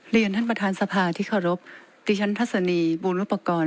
เรียนท่านประธานสภาที่เคารพดิฉันพัศนีบูรณุปกรณ์